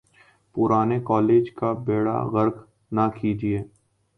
پرانے کالج کا بیڑہ غرق نہ کیجئے۔